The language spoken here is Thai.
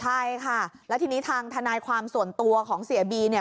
ใช่ค่ะแล้วทีนี้ทางทนายความส่วนตัวของเสียบีเนี่ย